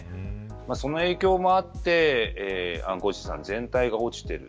その影響もあって暗号資産全体が落ちている。